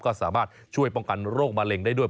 ก็สามารถช่วยป้องกันโรคมะเร็งได้ด้วย